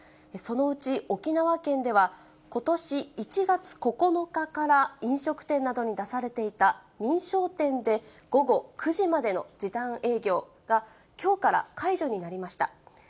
そのうち、沖縄県では、ことし１月９日から飲食店などに出されていた認証店で午後９時までの時短営業が、きょうから解除になりました。